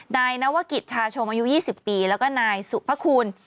นายนวกิจชาชมอายุ๒๐ปีแล้วก็นายสุพคุณ